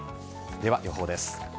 では予報です。